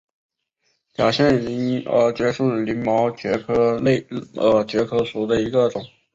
假线鳞耳蕨为鳞毛蕨科耳蕨属下的一个种。